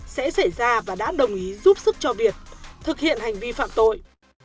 sẽ xảy ra và đã đồng ý giúp sức cho việt thực hiện hành vi phạm tội